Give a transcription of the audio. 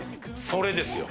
それですよ。